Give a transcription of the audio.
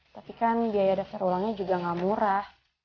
tapi kan biaya daftar ulangnya juga gak murah